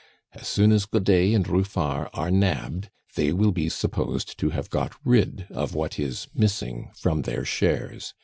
As soon as Godet and Ruffard are nabbed, they will be supposed to have got rid of what is missing from their shares.